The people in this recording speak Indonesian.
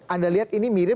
anda lihat ini mirip